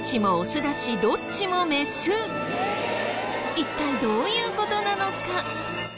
一体どういう事なのか？